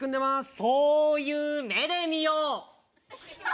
そういう目で見よう。